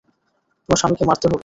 তোমার স্বামীকে মারতে হবে।